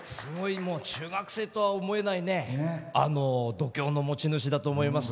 中学生とは思えない度胸の持ち主だと思います。